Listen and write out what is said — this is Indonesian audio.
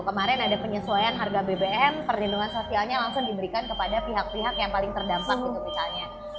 kemarin ada penyesuaian harga bbm perlindungan sosialnya langsung diberikan kepada pihak pihak yang paling terdampak gitu misalnya